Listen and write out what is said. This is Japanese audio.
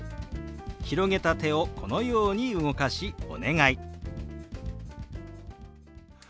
広げた手をこのように動かし「お願い」。